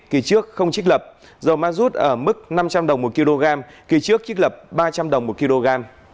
kỳ trước không trích lập dầu ma rút ở mức năm trăm linh đồng một kg kỳ trước trích lập ba trăm linh đồng một kg